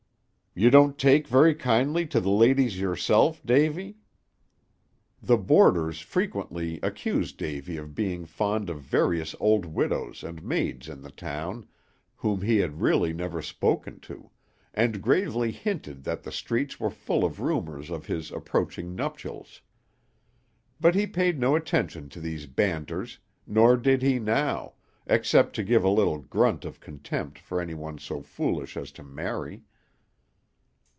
You don't take very kindly to the ladies yourself, Davy?" The boarders frequently accused Davy of being fond of various old widows and maids in the town, whom he had really never spoken to, and gravely hinted that the streets were full of rumors of his approaching nuptials; but he paid no attention to these banters, nor did he now, except to give a little grunt of contempt for any one so foolish as to marry.